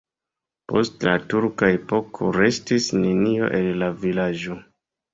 Post la turka epoko restis nenio el la vilaĝo.